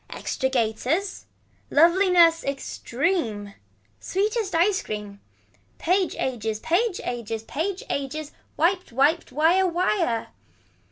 Extra gaiters. Loveliness extreme. Sweetest ice cream. Page ages page ages page ages. Wiped Wiped wire wire.